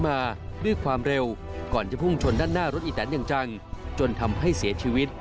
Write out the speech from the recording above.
เอาเปล่าก็เกิดกับวาญ